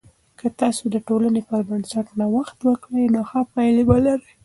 که تاسې د ټولنې پر بنسټ نوښت وکړئ، نو ښه پایلې به لرئ.